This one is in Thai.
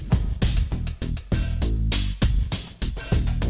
เมื่อกี้ก็ไม่มีเมื่อกี้